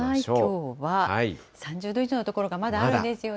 きょうは３０度以上の所がまだあるんですよね。